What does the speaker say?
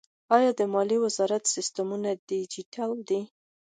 آیا د مالیې وزارت سیستمونه ډیجیټل دي؟